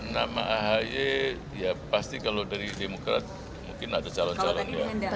nama ahy ya pasti kalau dari demokrat mungkin ada calon calon ya